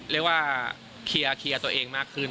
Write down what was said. เรียกว่าเคลียร์ตัวเองมากขึ้น